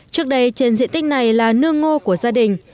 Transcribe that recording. trước đây trên diện tích này là nương ngô của gia đình